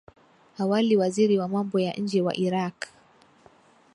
Awali waziri wa mambo ya nje wa Iraq